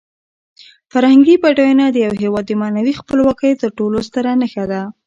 فرهنګي بډاینه د یو هېواد د معنوي خپلواکۍ تر ټولو ستره نښه ده.